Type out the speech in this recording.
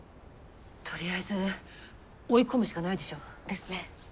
とりあえず追い込むしかないでしょ。ですね。